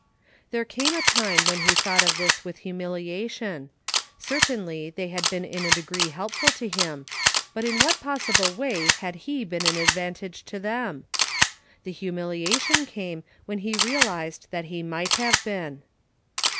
There came a time when he thought of this with humiliation ; certainly they had been in a degree helpful to him, but in what possible way had he been an advantage to them } The humiliation 230 "VERY MUCH IMPROVED. came when he realized that he might have been.